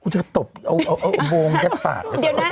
คุณจะโตปเอาโมงแค่ปาก